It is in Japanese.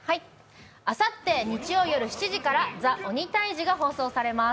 あさって日曜夜７時から「ＴＨＥ鬼タイジ」が放送されます。